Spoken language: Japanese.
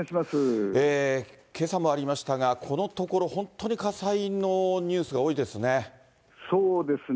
けさもありましたが、このところ、本当に火災のニュースが多いですね。